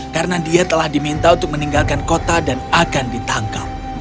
karena dia telah diminta untuk meninggalkan kota dan akan ditangkap